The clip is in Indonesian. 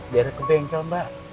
dari ke bengkel mbak